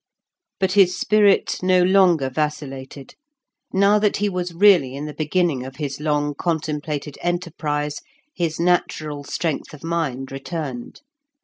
But his spirit no longer vacillated; now that he was really in the beginning of his long contemplated enterprise his natural strength of mind returned.